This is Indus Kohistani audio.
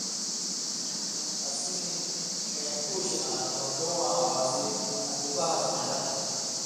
”اسِیں ݜَیں اوشہۡ آں ڇؤن٘ٹو واں اوازی، اتی بحث نېرہ“